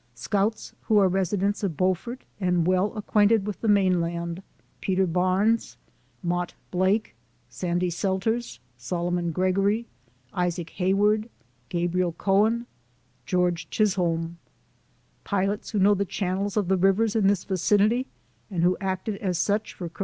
Scouts who are residents of Beaufort, and well acquainted with the main land : Peter Barns, Mott Blake, Sandy Selters, Solomon Gregory, Isaac Hay ward, Gabriel Cohen, George Chrisholm. LIFE OF HARRIET TUBMAN. 71 Pilots who know the channels of the rivers in this vicinity, and who acted as such for Col.